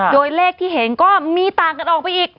โดยเลขที่เห็นก็มีต่างกันออกไปอีก